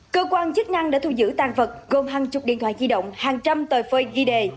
cơ quan chức năng đã thu giữ tàn vật gồm hàng chục điện thoại di động hàng trăm tờ phơi ghi đề